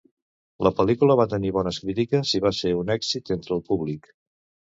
La pel·lícula va tenir bones crítiques i va ser un èxit entre el públic.